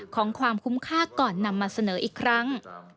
ของความคุ้มค่าก่อนนำมาเสนออีกครั้ง